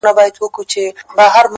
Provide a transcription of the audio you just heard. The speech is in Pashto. زه مي د ميني په نيت وركړمه زړه ـ